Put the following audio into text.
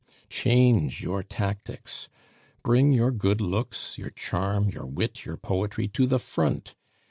"Change your tactics, bring your good looks, your charm, your wit, your poetry to the front.